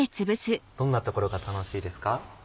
どんなところが楽しいですか？